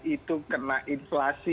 itu kena inflasi